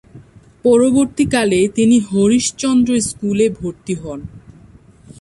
পরবর্তীকালে তিনি হরিশচন্দ্র স্কুলে ভর্তি হন।